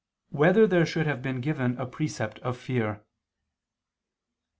2] Whether There Should Have Been Given a Precept of Fear?